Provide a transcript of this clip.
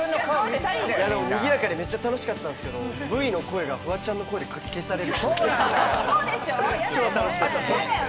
にぎやかでめっちゃ楽しかったんですけど、Ｖの音がフワちゃんの声でかき消される。